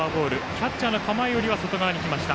キャッチャーの構えよりは外側に来ました。